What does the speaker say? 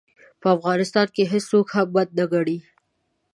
په افغانستان کې هېڅوک هم بد نه ګڼي.